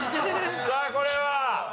さあこれは？